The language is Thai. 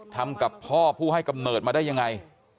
ทำกับพ่อผู้ให้กำเนิดมาได้ยังไง